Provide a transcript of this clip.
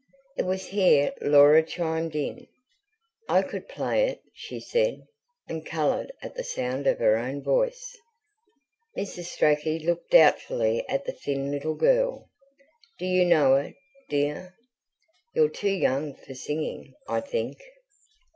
It was here Laura chimed in. "I could play it," she said; and coloured at the sound of her own voice. Mrs. Strachey looked doubtfully at the thin little girl. "Do you know it, dear? You're too young for singing, I think."